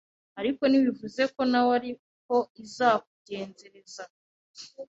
ariko ntibivuze ko nawe ariko izakugenzereza,